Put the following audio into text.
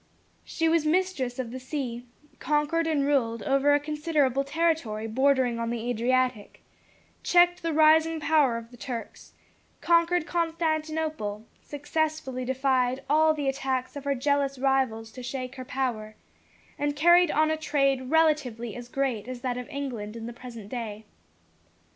She was mistress of the sea; conquered and ruled over a considerable territory bordering on the Adriatic; checked the rising power of the Turks; conquered Constantinople; successfully defied all the attacks of her jealous rivals to shake her power; and carried on a trade relatively as great as that of England in the present day.